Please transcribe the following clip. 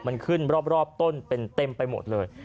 มันขึ้นรอบต้นเป็นเต็มไปหมดเลย